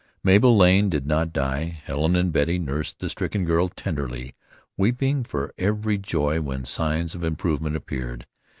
Mabel Lane did not die. Helen and Betty nursed the stricken girl tenderly, weeping for very joy when signs of improvement appeared.